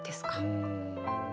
うん。